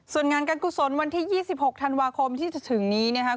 ส่วนงานการกุศลวันที่๒๖ธันวาคมที่จะถึงนี้นะครับ